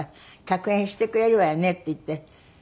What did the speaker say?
「客演してくれるわよね？」って言って。